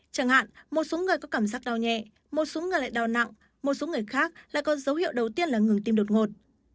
chẳng hạn một số người có cảm giác đau nhẹ một số người lại đau nặng một số người khác lại có dấu hiệu đầu tiên là ngừng tim đột ngột